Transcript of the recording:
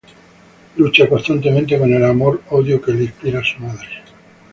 Lucha constantemente con el amor-odio que le inspira su madre.